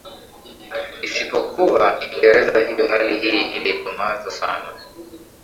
isipokuwa kiingereza Hivyo hali hii ilidumaza sana